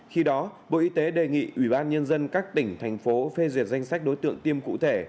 khi đó bộ y tế đề nghị ủy ban nhân dân các tỉnh thành phố phê duyệt danh sách đối tượng tiêm cụ thể